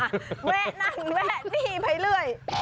แวะนั่งแวะหนี้ไปเรื่อย